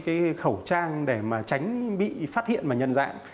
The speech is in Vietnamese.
cái khẩu trang để mà tránh bị phát hiện và nhân dạng